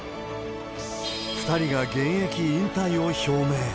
２人が現役引退を表明。